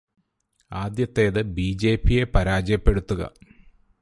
ആദ്യത്തേത് ബി.ജെ.പി.യെ പരാജയപ്പെടുത്തുക.